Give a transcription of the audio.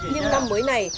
nhưng năm mới này